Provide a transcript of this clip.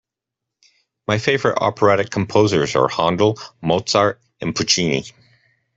My favourite operatic composers are Handel, Mozart and Puccini